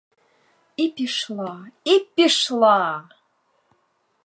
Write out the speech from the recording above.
І пішла, і пішла!